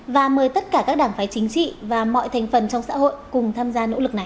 và mời tất cả các đảng phái chính trị và mọi thành phần trong xã hội cùng tham gia nỗ lực này